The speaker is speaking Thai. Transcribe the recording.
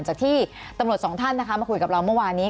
จากที่ตำรวจสองท่านนะคะมาคุยกับเราเมื่อวานนี้